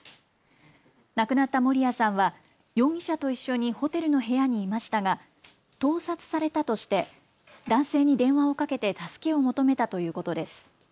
亡くなった守屋さんは容疑者と一緒にホテルの部屋にいましたが、盗撮されたとして男性に電話をかけて助けを求めたということです。